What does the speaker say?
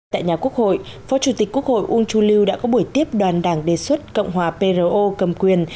tại nhà quốc hội phó chủ tịch quốc hội uông chu lưu đã có buổi tiếp đoàn đảng đề xuất cộng hòa pro cầm quyền